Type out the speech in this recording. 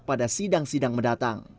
pada sidang sidang mendatang